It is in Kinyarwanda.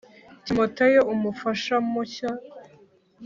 timoteyo, umufasha mushya